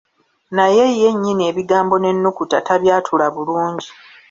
Naye yennyini ebigambo n’ennukuta tabyatula bulungi.